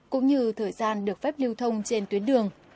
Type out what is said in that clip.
cũng như thời gian được phép lưu thông trên tuyến đường